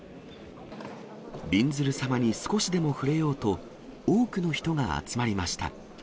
びんずる様に少しでも触れようと、多くの人が集まりました。